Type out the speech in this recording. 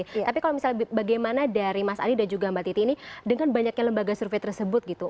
tapi kalau misalnya bagaimana dari mas adi dan juga mbak titi ini dengan banyaknya lembaga survei tersebut gitu